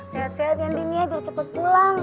sehat sehat dan binia juga cepet pulang